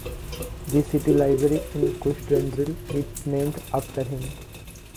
The city library in Kyustendil is named after him.